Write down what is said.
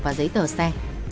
và giấy tờ xe